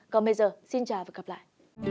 còn bây giờ xin chào và gặp lại